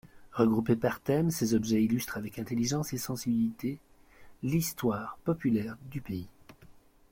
Regroupés par thème, ces objets illustrent avec intelligence et sensibilité l’histoire populaire du pays.